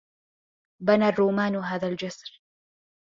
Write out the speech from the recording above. بنى الرومان هذا الجسر.